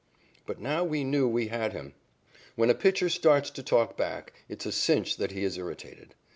But now we knew we had him. When a pitcher starts to talk back, it is a cinch that he is irritated.